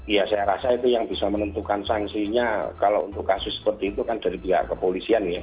ya saya rasa itu yang bisa menentukan sanksinya kalau untuk kasus seperti itu kan dari pihak kepolisian ya